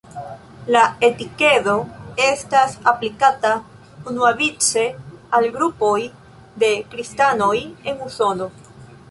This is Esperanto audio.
La etikedo estas aplikata unuavice al grupoj de kristanoj en Usono.